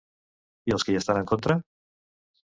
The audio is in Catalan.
I els que hi estan en contra?